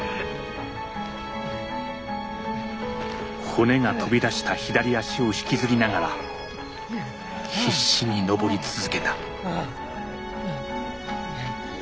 骨が飛び出した左足を引きずりながら必死に登り続けた。